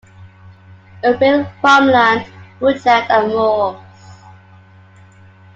Open farmland, woodland and moors.